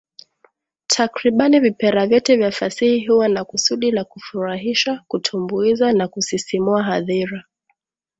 Takribani vipera vyote vya fasihi huwa na kusudi la kufurahisha, kutumbuiza na kusisimua hadhira.